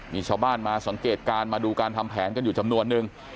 มีชาวบ้านมาสังเกตการณ์มาดูการทำแผนกันอยู่จำนวนนึง